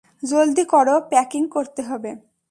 জলদি করো, প্যাকিং করতে হবে।